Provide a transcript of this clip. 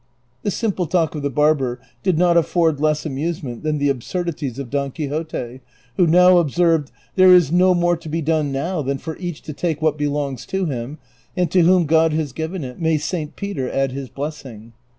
The simple talk of the barber did not afford less amusement than the absurdities of Don Quixote, who now observed, " There is no more to be done uoav than for each to take what belongs to him, and to whom God has given it, may St. Peter add his blessing."